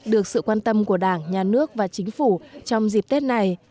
được sự quan tâm của đảng nhà nước và chính phủ trong dịp tết này